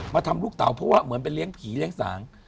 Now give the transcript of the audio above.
ทำลูกเต่าเพราะว่าเหมือนไปเลี้ยงผีเลี้ยงสาง